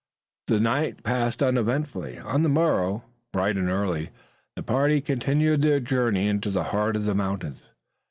The night passed uneventfully. On the morrow, bright and early, the party continued their journey into the heart of the mountains.